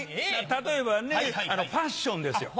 例えばねファッションですよ。